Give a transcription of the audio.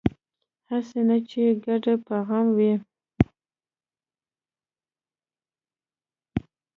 هسې نه چې ګډ په غم وي